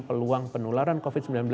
peluang penularan covid sembilan belas